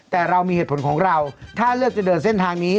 แต่เรามีเหตุผลของเราถ้าเลือกจะเดินเส้นทางนี้